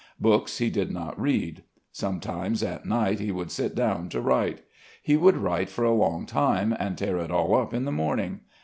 Books he did not read. Sometimes at nights he would sit down to write. He would write for a long time and tear it all up in the morning.